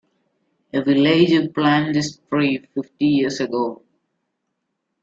A villager planted this tree fifty years ago.